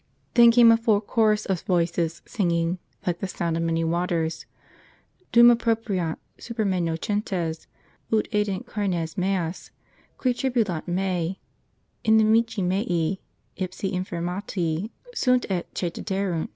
* Then came a full chorus of voices, singing, like the sound of many waters : "Dum appropriant super me nocentes, ut edant carnes meas; qui tribulant me, inimici mei, ipsi intirmati sunt et ceciderunt."